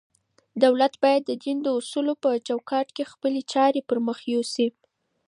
دولت بايد د دين د اصولو په چوکاټ کي خپلي چارې پر مخ يوسي.